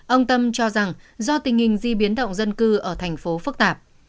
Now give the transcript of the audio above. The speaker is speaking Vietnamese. ông tâm cho rằng do tình hình di biến động dân cư ở thành phố phức tạp